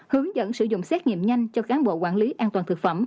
hướng dẫn sử dụng xét nghiệm nhanh cho cán bộ quản lý an toàn thực phẩm